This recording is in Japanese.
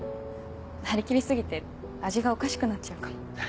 張り切り過ぎて味がおかしくなっちゃうかも。